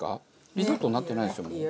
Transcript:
リゾットになってないですよね。